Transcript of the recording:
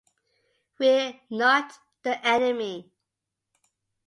We're not the enemy.